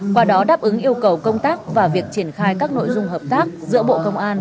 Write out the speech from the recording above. qua đó đáp ứng yêu cầu công tác và việc triển khai các nội dung hợp tác giữa bộ công an